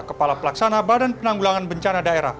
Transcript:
kepala pelaksana badan penanggulangan bencana daerah